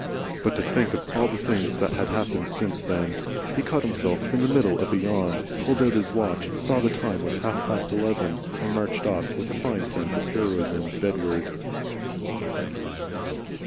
But to think of all the things that had happened since then! He caught himself in the middle of a yawn, pulled out his watch, saw the time was halfpast eleven, and marched off, with a fine sense of heroism, bedward.